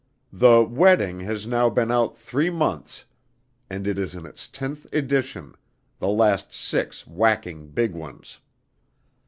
The 'Wedding' has now been out three months and is in its tenth edition, the last six whacking big ones.